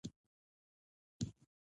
فکر روښانتیا ته اړتیا لري